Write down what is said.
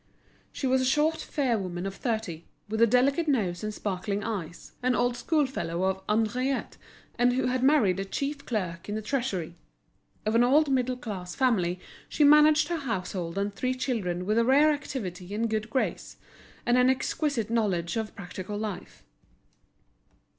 She was a short fair woman of thirty, with a delicate nose and sparkling eyes, an old school fellow of Henriette's, and who had married a chief clerk in the Treasury. Of an old middle class family, she managed her household and three children with a rare activity and good grace, and an exquisite knowledge of practical life.